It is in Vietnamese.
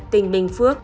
tình bình phước